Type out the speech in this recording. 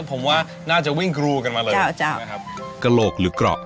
ผมว่าน่าจะวิ่งกรูกันมาเลยนะครับกระโหลกหรือเกราะ